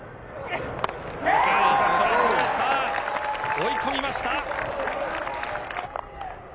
追い込みました。